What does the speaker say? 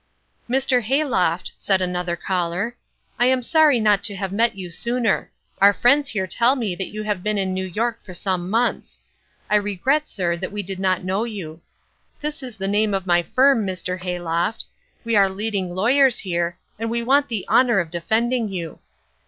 "Mr. Hayloft," said another caller, "I am sorry not to have met you sooner. Our friends here tell me that you have been in New York for some months. I regret, sir, that we did not know you. This is the name of my firm, Mr. Hayloft. We are leading lawyers here, and we want the honour of defending you.